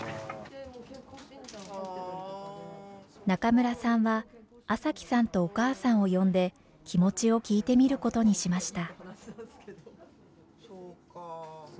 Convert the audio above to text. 中村さんは麻貴さんとお母さんを呼んで気持ちを聞いてみることにしました。